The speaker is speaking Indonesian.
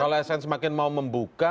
kalau asn semakin mau membuka